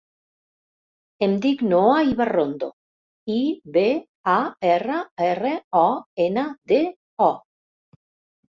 Em dic Noa Ibarrondo: i, be, a, erra, erra, o, ena, de, o.